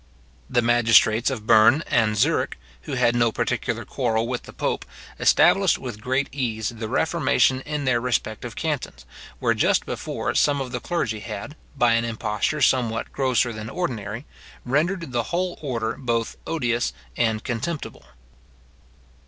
The magistrates of Berne and Zurich, who had no particular quarrel with the pope, established with great ease the reformation in their respective cantons, where just before some of the clergy had, by an imposture somewhat grosser than ordinary, rendered the whole order both odious and contemptible.